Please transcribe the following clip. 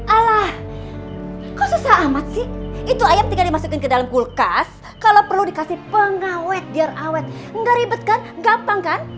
alah kok susah amat sih itu ayam tinggal dimasukin ke dalam kulkas kalau perlu dikasih pengawet biar awet enggak ribet kan gampang kan